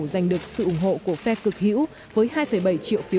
giành được sự ủng hộ của phe cực hữu với hai bảy triệu phiếu